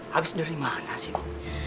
habis dari mana sih bu